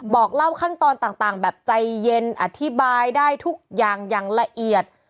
บอกเล่าขั้นตอนต่างแบบใจเย็นอธิบายได้ทุกอย่างอย่างละเอียด